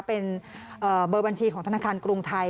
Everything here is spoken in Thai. เป็นเบอร์บัญชีของธนาคารกรุงไทย